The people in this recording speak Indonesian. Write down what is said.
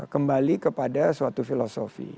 kembali kepada suatu filosofi